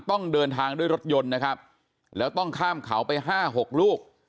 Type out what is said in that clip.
ต้องเดินทางด้วยรถยนต์นะครับแล้วต้องข้ามเขาไปห้าหกลูก